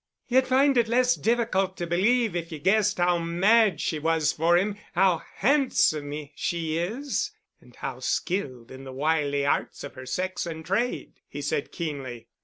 "Ye'd find it less difficult to believe if ye guessed how mad she was for him, how handsome she is and how skilled in the wily arts of her sex and trade," he said keenly.